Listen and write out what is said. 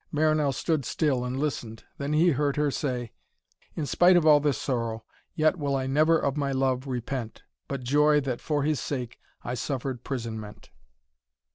Marinell stood still and listened. Then he heard her say: 'In spite of all this sorrow, yet will I never of my love repent, But joy that for his sake I suffered prisonment.'